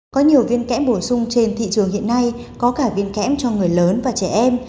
có nhiều viên kẽm bổ sung trên thị trường hiện nay có cả viên kẽm cho người lớn và trẻ em